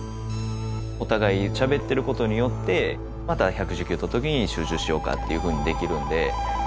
お互いしゃべってることによってまた１１９取った時に集中しようかっていうふうにできるんで。